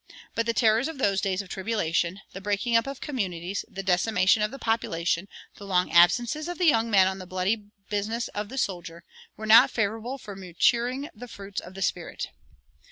But the terrors of those days of tribulation, the breaking up of communities, the decimation of the population, the long absences of the young men on the bloody business of the soldier, were not favorable for maturing the fruits of the Spirit.